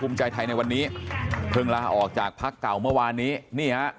เมื่อนี้เพิ่งละออกจากพักเก่าเมื่อวานี้